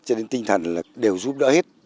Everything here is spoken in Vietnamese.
cho đến tinh thần là đều giúp đỡ hết